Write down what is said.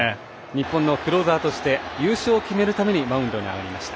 日本のクローザーとして優勝を決めるためにマウンドに上がりました。